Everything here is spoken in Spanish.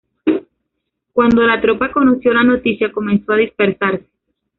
Cuando la tropa conoció la noticia, comenzó a dispersarse.